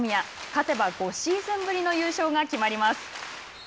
勝てば５シーズンぶりの優勝が決まります。